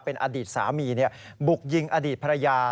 เป็นอดีตสามีบุกยิงอดีตภรรยา